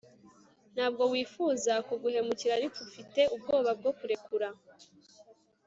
ntabwo wifuza kuguhemukira ariko ufite ubwoba bwo kurekura